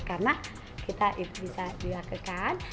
karena kita itu bisa dilakukan